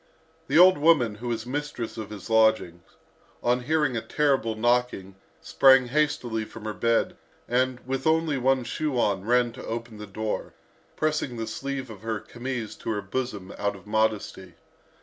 The old woman, who was mistress of his lodgings, on hearing a terrible knocking, sprang hastily from her bed, and, with only one shoe on, ran to open the door, pressing the sleeve of her chemise to her bosom out of modesty.